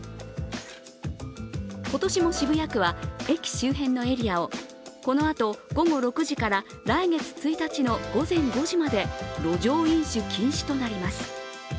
今年も渋谷区は駅周辺のエリアをこのあと午後６時から来月１日の午前５時まで路上飲酒禁止となります。